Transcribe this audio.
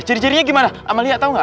ciri cirinya gimana amalia tau gak